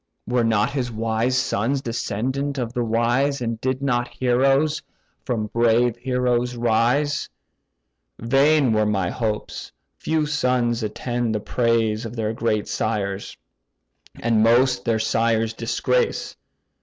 Were not wise sons descendant of the wise, And did not heroes from brave heroes rise, Vain were my hopes: few sons attain the praise Of their great sires, and most their sires disgrace.